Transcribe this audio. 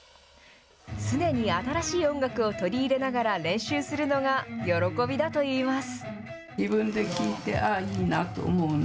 常に新しい音楽を取り入れながら練習するのが喜びだといいます。